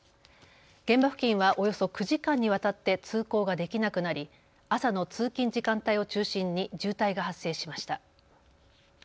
現場付近はおよそ９時間にわたって通行ができなくなり朝の通勤時間帯を中心に渋滞が発生しました。